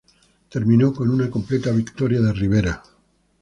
Terminó con una completa victoria de Rivera.